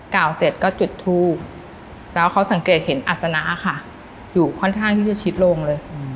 เสร็จก็จุดทูบแล้วเขาสังเกตเห็นอัศนะค่ะอยู่ค่อนข้างที่จะชิดลงเลย